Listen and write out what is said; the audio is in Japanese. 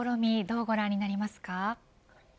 どうご覧になりますか。